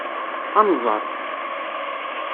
Ad nẓer.